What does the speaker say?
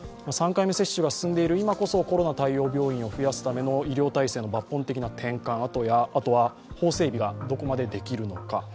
３回目接種が進んでいる今こそコロナ対応病院を増やすための医療体制の抜本的な転換、あとは、法整備がどこまでできるのか。